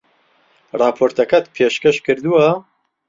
ڕاپۆرتەکەت پێشکەش کردووە؟